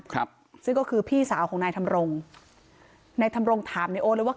ครับซึ่งก็คือพี่สาวของนายธรรมรงนายธรรมรงถามในโอ๊ตเลยว่า